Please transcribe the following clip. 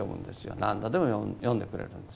何度でも読んでくれるんです。